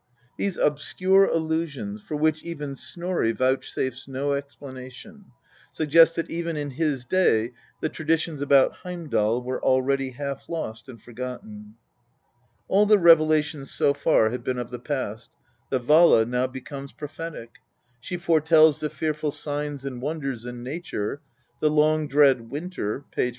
These obscure allusions, for which even Snorri vouchsafes no explanation, suggest that even" in his day the traditions about Heimdal were already half lost and forgotten. All the revelations so far have been of the past ; the Vala now becomes prophetic. She foretells the fearful signs and wonders in nature, the " long dread winter " (p.